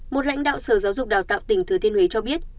một lãnh đạo sở giáo dục đào tạo tỉnh thừa thiên huế cho biết